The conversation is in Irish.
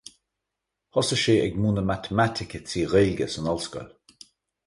Thosaigh sé ag múineadh matamaitice trí Ghaeilge san ollscoil.